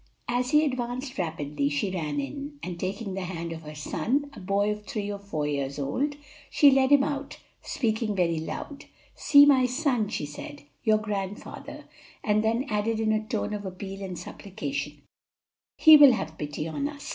As he advanced rapidly, she ran in, and taking the hand of her son, a boy of three or four years old, she led him out. Speaking very loud, "See, my son," she said, "your grandfather"; and then added in a tone of appeal and supplication, "he will have pity on us."